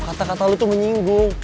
kata kata lo tuh menyinggung